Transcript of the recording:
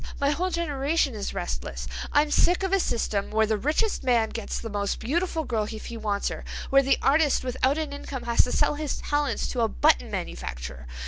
My whole generation is restless. I'm sick of a system where the richest man gets the most beautiful girl if he wants her, where the artist without an income has to sell his talents to a button manufacturer.